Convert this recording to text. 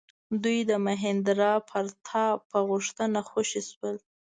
دوی د مهیندرا پراتاپ په غوښتنه خوشي شول.